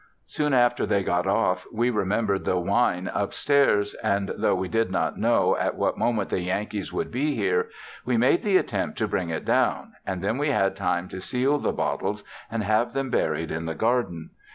Soon after they got off we remembered the wine up stairs, and though we did not know at what moment the Yankees would be here, we made the attempt to bring it down, and then we had time to seal the bottles and have them buried in the garden.